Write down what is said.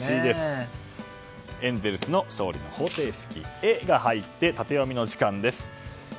エンゼルスの勝利の方程式「エ」が入ってタテヨミの時間です。